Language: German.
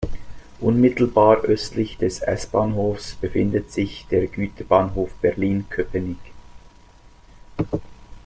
Unmittelbar östlich des S-Bahnhofs befindet sich der Güterbahnhof Berlin-Köpenick.